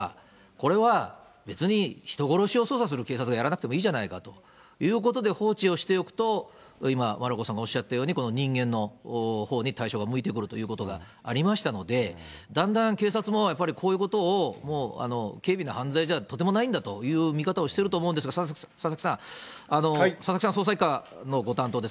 当時は凶悪事件を捜査するところは、これは、別に人殺しを捜査する警察がやらなくてもいいじゃないかということで、放置をしておくと、今、丸岡さんがおっしゃったように、人間のほうに対象が向いてくるということがありましたので、だんだん警察も、やっぱりこういうことをもう軽微の犯罪じゃとてもないんだという見方をしていると思うんですが、佐々木さん、佐々木さん、捜査１課のご担当です。